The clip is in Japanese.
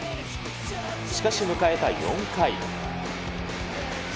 しかし迎えた４回。